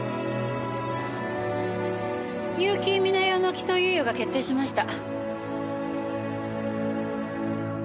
結城美奈世の起訴猶予が決定しました。